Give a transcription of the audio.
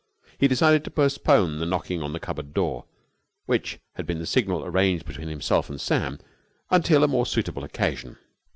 He decided to postpone the knocking on the cupboard door, which had been the signal arranged between himself and Sam, until a more suitable occasion.